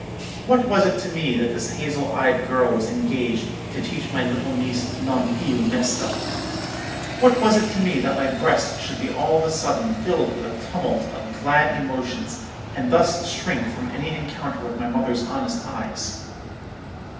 What was it to me that this hazel eyed girl was engaged to teach my little niece 'Non più mesta'? what was it to me that my breast should be all of a sudden filled with a tumult of glad emotions, and thus shrink from any encounter with my mother's honest eyes?